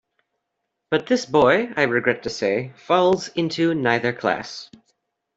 But this boy, I regret to say, falls into neither class.